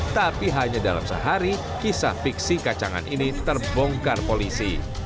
tapi hanya dalam sehari kisah fiksi kacangan ini terbongkar polisi